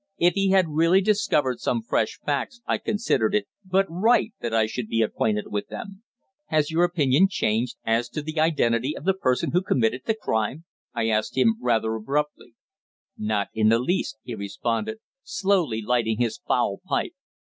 If he had really discovered some fresh facts I considered it but right that I should be acquainted with them. "Has your opinion changed as to the identity of the person who committed the crime?" I asked him, rather abruptly. "Not in the least," he responded, slowly lighting his foul pipe.